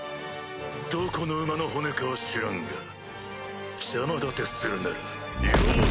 どこの馬の骨かは知らんが邪魔立てするなら容赦は。